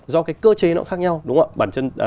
do cái cơ chế nó khác nhau đúng không ạ